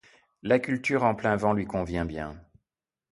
La culture en plein-vent lui convient bien.